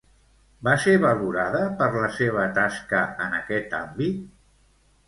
Va ser valorada per la seva tasca en aquest àmbit?